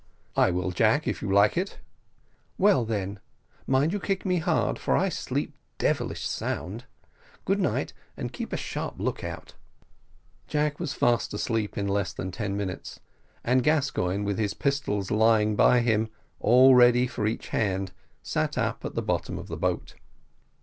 "I will, Jack, if you like it." "Well, then, mind you kick me hard, for I sleep devilish sound. Good night, and keep a sharp lookout." Jack was fast asleep in less than ten minutes; and Gascoigne, with his pistols lying by him all ready for each hand, sat up at the bottom of the boat.